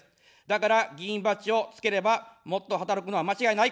だから、議員バッジをつければ、もっと働くのは間違いない。